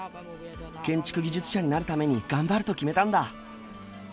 建築技術者になるために頑張ると決めたんだ。